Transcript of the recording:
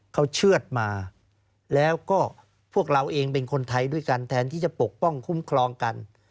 เขาเชื่อดมาแล้วก็พวกเราเองเป็นคนไทยด้วยกันแทนที่จะปกป้องคุ้มครองกัน